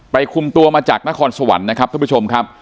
คุมตัวมาจากนครสวรรค์นะครับท่านผู้ชมครับ